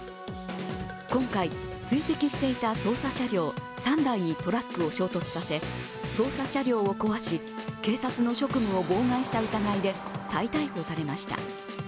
今回、追跡していた捜査車両３台にトラックを衝突させ捜査車両を壊し、警察の職務を妨害した疑いで再逮捕されました。